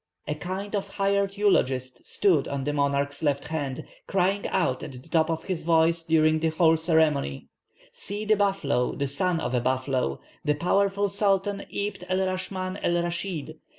A kind of hired eulogist stood on the monarch's left hand, crying out at the top of his voice during the whole ceremony, 'See the buffalo, the son of a buffalo, the powerful Sultan Abd el Raschman El rashid.